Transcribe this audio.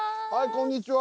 こんにちは。